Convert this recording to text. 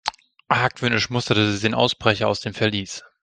Argwöhnisch musterte sie den Ausbrecher aus dem Verlies.